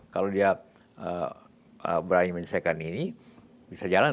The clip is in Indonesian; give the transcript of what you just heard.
kalau dia berani menyelesaikan ini bisa jalan